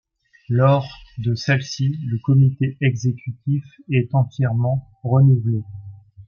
Lors de celle-ci le comité exécutif est entièrement renouvelé.